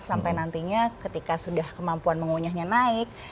sampai nantinya ketika sudah kemampuan mengunyahnya naik